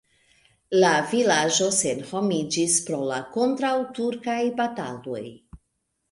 La vilaĝo senhomiĝis pro la kontraŭturkaj bataloj.